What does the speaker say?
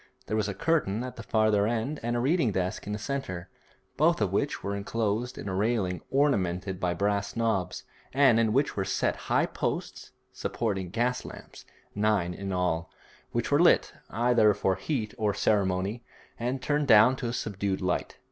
There was a curtain at the farther end and a reading desk in the centre, both of which were enclosed in a railing ornamented by brass knobs, and in which were set high posts supporting gas lamps, nine in all, which were lit, either for heat or ceremony, and turned down to a subdued light.